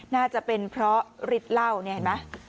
น่าจะเป็นเพราะฤทธิ์เหล้าเนี่ยเห็นไหม